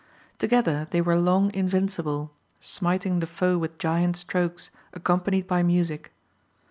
Together they were long invincible, smiting the foe with giant strokes, accompanied by music.